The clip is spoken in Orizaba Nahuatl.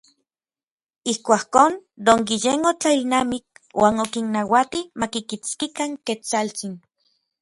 Ijkuakon, Don Guillén otlailnamik uan okinnauati makikitskikan Ketsaltsin.